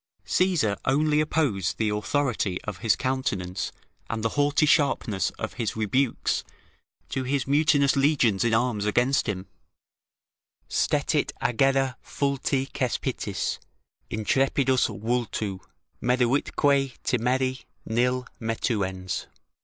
Caesar only opposed the authority of his countenance and the haughty sharpness of his rebukes to his mutinous legions in arms against him: "Stetit aggere fulti Cespitis, intrepidus vultu: meruitque timeri, Nil metuens."